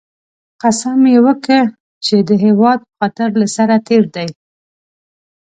قسم یې وکی چې د هېواد په خاطر له سره تېر دی